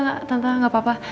nggak biden tadi ada tadi